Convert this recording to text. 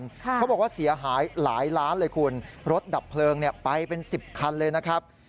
เขาบอกว่าเสียหายหลายล้านเลยคุณรถดับเพลิงเนี่ยไปเป็นสิบคันเลยนะครับ